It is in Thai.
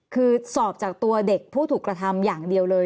คือสอบจากตัวเด็กผู้ถูกกระทำอย่างเดียวเลย